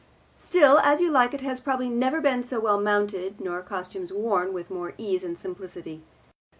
Still, As You Like It has probably never been so well mounted, nor costumes worn with more ease and simplicity.